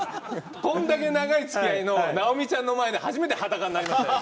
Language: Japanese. こんだけ長いつきあいの尚美ちゃんの前で初めて裸になりましたよ。